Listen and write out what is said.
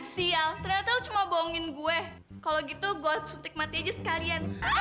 sampai jumpa di video selanjutnya